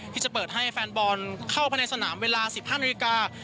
ที่จะเปิดให้แฟนบอลเข้าไปในสนามเวลา๑๕นาฬิกา